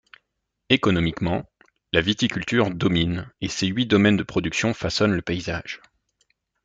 Économiquement, la viticulture domine et ses huit domaines de production façonnent le paysage.